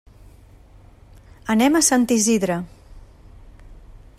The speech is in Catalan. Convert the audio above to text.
Anem a Sant Isidre.